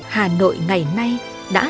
hà nội ngày nay đã thay đổi các món ăn hấp dẫn này